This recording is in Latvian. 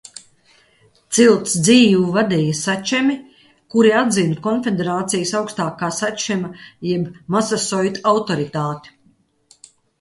Cilts dzīvi vadīja sačemi, kuri atzina konfederācijas augstākā sačema jeb masasoita autoritāti.